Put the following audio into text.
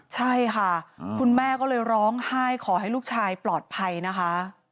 ใช่ค่ะคุณแม่ก็เลยร้องไห้ขอให้ลูกชายปลอดภัยนะคะ